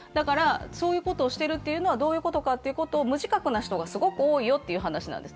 そういうことをしてるというのはどういうことかというのを無自覚な人がすごく多いよという話なんです。